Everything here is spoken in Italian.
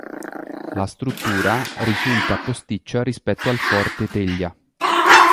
La struttura risulta posticcia rispetto al Forte Teglia.